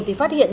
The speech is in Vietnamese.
thì phát hiện